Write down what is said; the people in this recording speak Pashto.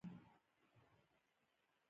زه د الله جل جلاله شکر کوم.